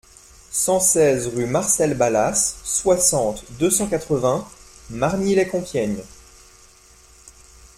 cent seize rue Marcel Balasse, soixante, deux cent quatre-vingts, Margny-lès-Compiègne